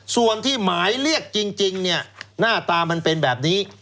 ส่วนที่หมายเรียกจริงเนี่ยหน้าตามันเป็นแบบนี้